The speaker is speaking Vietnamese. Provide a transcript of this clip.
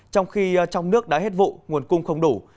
trong khi trong nước đã hết vụ nguồn cung không đủ